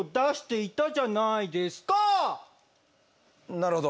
なるほど。